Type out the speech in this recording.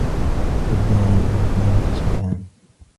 وَالدَّاعِي إلَى الْخِيَانَةِ شَيْئَانِ